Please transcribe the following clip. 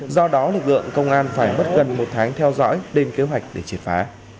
do đó lực lượng công an phải bất gần một tháng theo dõi đem kế hoạch để triệt phá